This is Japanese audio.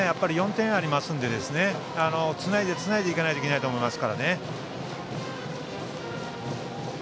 ４点ありますのでつないでいかないといけないと思います。